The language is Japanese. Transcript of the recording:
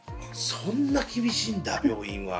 そんな厳しいんだ病院は。